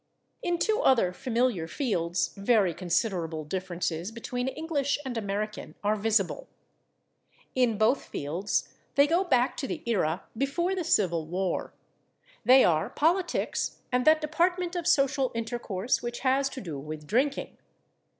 In two other familiar fields very considerable differences between English and American are visible; in both fields they go back to the era before the Civil War. They are politics and that department of social intercourse which has to do with drinking.